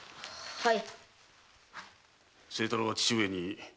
はい。